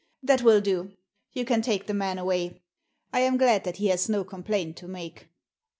That will do; you can take the man away. I am glad that he has no complaint to make."